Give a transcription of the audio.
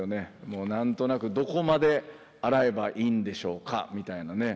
もう何となくどこまで洗えばいいんでしょうかみたいなね。